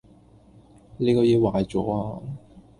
你個野壞左呀